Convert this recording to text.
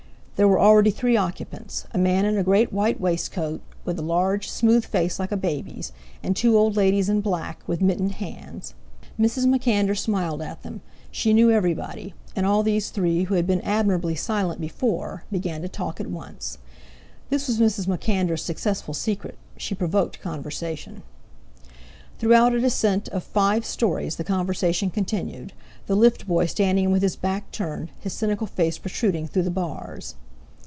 There were already three occupants, a man in a great white waistcoat, with a large, smooth face like a baby's, and two old ladies in black, with mittened hands. Mrs. MacAnder smiled at them; she knew everybody; and all these three, who had been admirably silent before, began to talk at once. This was Mrs. MacAnder's successful secret. She provoked conversation. Throughout a descent of five stories the conversation continued, the lift boy standing with his back turned, his cynical face protruding through the bars.